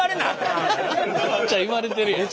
めっちゃ言われてるやん。